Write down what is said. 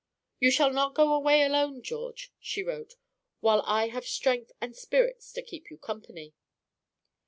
"You shall not go away alone, George," she wrote, "while I have strength and spirits to keep you company."